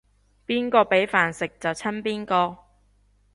邊個畀飯食就親邊個